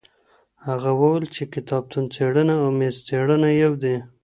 هغه وویل چي کتابتون څېړنه او میز څېړنه یو دي.